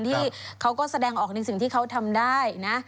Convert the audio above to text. ที่เขาก็แสดงออกในสิ่งที่เขาทำได้นะ